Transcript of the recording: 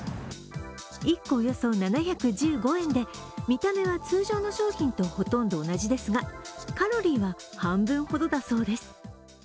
１個およそ７１５円で、見た目は通常の商品とほとんど同じですがカロリーは半分ほどだそうです。